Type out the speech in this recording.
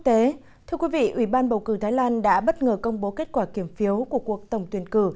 thưa quý vị ủy ban bầu cử thái lan đã bất ngờ công bố kết quả kiểm phiếu của cuộc tổng tuyển cử